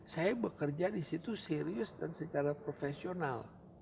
saya bekerja di situ serius dan secara profesional